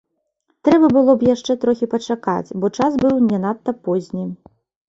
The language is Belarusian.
Трэба было б яшчэ трохі пачакаць, бо час быў не надта позні.